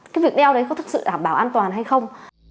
cái việc đeo đấy có thực sự đảm bảo an toàn hay không